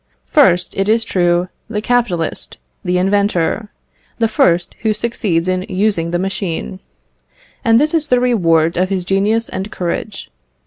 First, it is true, the capitalist, the inventor; the first who succeeds in using the machine; and this is the reward of his genius and courage.